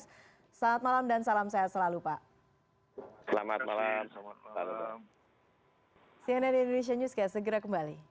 selamat malam dan salam sehat selalu pak